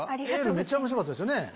めっちゃ面白かったですよね。